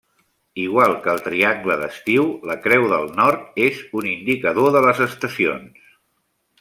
Igual que el Triangle d'estiu, la Creu del Nord és un indicador de les estacions.